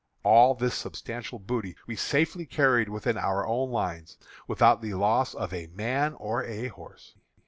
All this substantial booty we safely carried within our own lines, without the loss of a man or a horse.